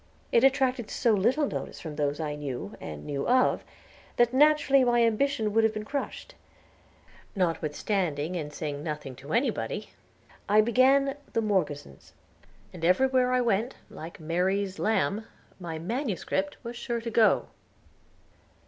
It attracted so little notice from those I knew, and knew of, that naturally my ambition would have been crushed. Notwithstanding, and saying nothing to anybody, I began "The Morgesons," and everywhere I went, like Mary's lamb, my MS. was sure to go.